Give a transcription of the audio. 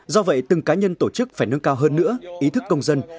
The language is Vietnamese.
do vậy từng cá nhân tổ chức phải nâng cao hơn nữa ý thức công dân